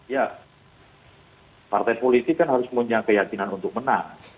ya partai politik kan harus punya keyakinan untuk menang